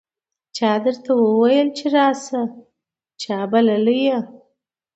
چا درته وویل چې راسه ؟ چا بللی یې